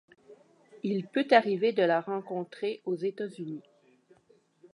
Il peut arriver de la rencontrer aux États-Unis.